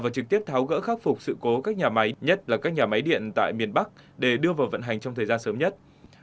và trực tiếp tháo gỡ khắc phục sự cố các nhà máy nhất là các nhà máy điện tại miền bắc để đưa vào vận hành trong thời gian sớm nhất